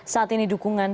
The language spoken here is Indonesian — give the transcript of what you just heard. saat ini dukungan